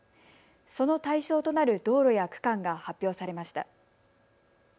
その対象となる道路や区間が発表されました。